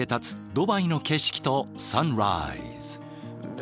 ドバイの景色とサンライズ。